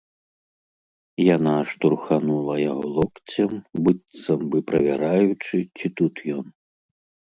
Яна штурханула яго локцем, быццам бы правяраючы, ці тут ён.